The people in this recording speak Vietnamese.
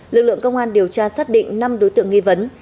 lực lượng công an điều tra xác định năm đối tượng nghi vấn